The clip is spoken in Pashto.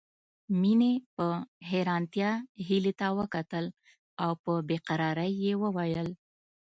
مينې په حيرانتيا هيلې ته وکتل او په بې قرارۍ يې وويل